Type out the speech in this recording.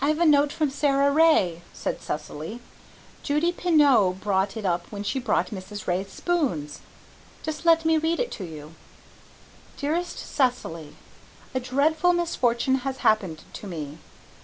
"I have a note from Sara Ray," said Cecily. "Judy Pineau brought it up when she brought Mrs. Ray's spoons. Just let me read it to you: DEAREST CECILY: A DREADFUL MISFORTUNE has happened to me.